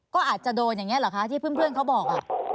ก็อาจจะโดนอย่างนี้เหรอคะที่เพื่อนเขาบอก